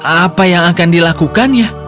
apa yang akan dilakukan ya